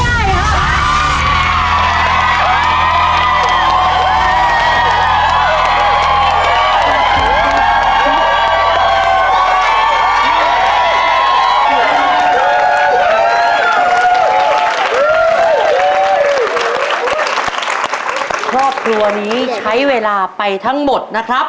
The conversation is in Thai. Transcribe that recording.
ครอบครัวนี้ใช้เวลาไปทั้งหมดนะครับ